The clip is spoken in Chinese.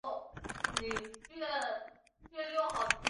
它们也要与野生的蜜蜂及入侵的深红玫瑰鹦鹉争夺地方来筑巢。